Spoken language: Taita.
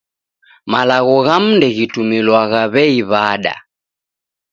Malagho ghamu ndeghitumilwagha w'ei w'ada.